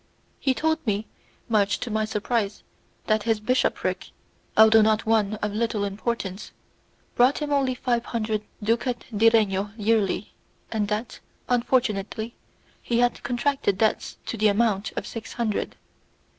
He told me, much to my surprise, that his bishopric, although not one of little importance, brought him in only five hundred ducat diregno yearly, and that, unfortunately, he had contracted debts to the amount of six hundred.